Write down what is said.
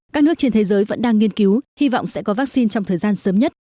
các nước trên thế giới vẫn đang nghiên cứu hy vọng sẽ có vaccine trong thời gian sớm nhất